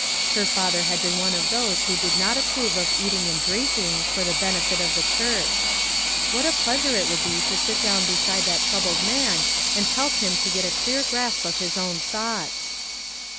Her father had been one of those who did not approve of eating and drink 326 FOUR MOTHERS AT CHAUTAUQUA ing "for the benefit of the church." "What a pleasure it would be to sit down beside that troubled man and help him to get a clear grasp of his own thoughts!